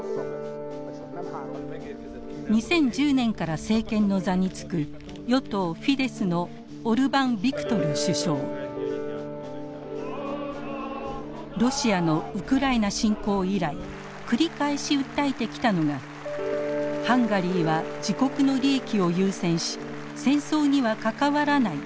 ２０１０年から政権の座に就くロシアのウクライナ侵攻以来繰り返し訴えてきたのがハンガリーは自国の利益を優先し戦争には関わらない